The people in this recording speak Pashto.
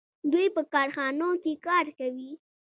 دوی په کارخانو کې کار کوي.